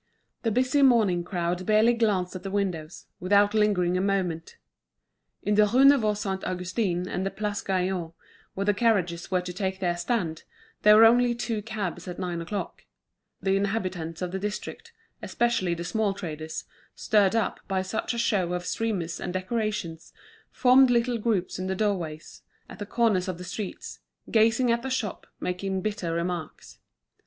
The busy morning crowd barely glanced at the windows, without lingering a moment. In the Rue Neuve Saint Augustin and in the Place Gaillon, where the carriages were to take their stand, there were only two cabs at nine o'clock. The inhabitants of the district, especially the small traders, stirred up by such a show of streamers and decorations, formed little groups in the doorways, at the corners of the streets, gazing at the shop, making bitter remarks.